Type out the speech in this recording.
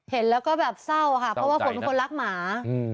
เห็นแล้วก็แบบเศร้าค่ะเพราะว่าฝนเป็นคนรักหมา